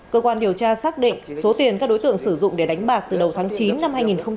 cơ quan điều tra xác định số tiền các đối tượng sử dụng để đánh bạc từ đầu tháng chín năm hai nghìn hai mươi ba